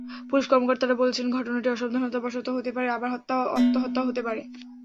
Police কর্মকর্তারা বলছেন, ঘটনাটি অসাবধানতাবশত হতে পারে, আবার আত্মহত্যাও হতে পারে।